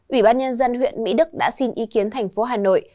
ủy ban nhân dân huyện mỹ đức đã xin ý kiến tp hà nội